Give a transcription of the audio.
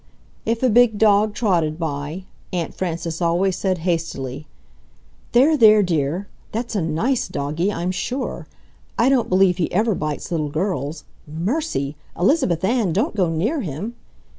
If a big dog trotted by, Aunt Frances always said, hastily: "There, there, dear! That's a NICE doggie, I'm sure. I don't believe he ever bites little girls.... MERCY! Elizabeth Ann, don't go near him!